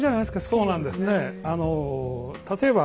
そうなんですね。